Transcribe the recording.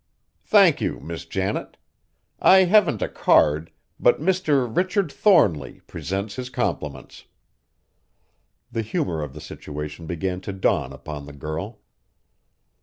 "Thank you, Miss Janet. I haven't a card, but Mr. Richard Thornly presents his compliments." The humor of the situation began to dawn upon the girl.